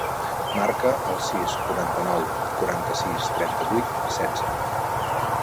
Marca el sis, quaranta-nou, quaranta-sis, trenta-vuit, setze.